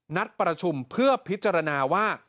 นัดประชุมเพื่อพิจารณาว่า